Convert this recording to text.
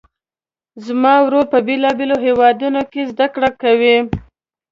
زما وروڼه په بیلابیلو هیوادونو کې زده کړه کوي